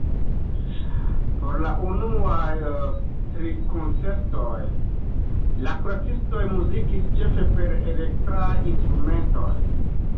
Por la unuaj tri koncertoj, la Kuracistoj muzikis ĉefe per elektraj instrumentoj.